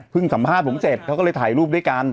สัมภาษณ์ผมเสร็จเขาก็เลยถ่ายรูปด้วยกัน